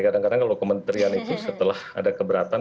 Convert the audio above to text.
kadang kadang kalau kementerian itu setelah ada keberatan